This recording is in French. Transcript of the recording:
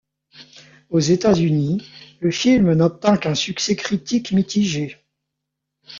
Aux États-Unis, le film n'obtint qu'un succès critique mitigé.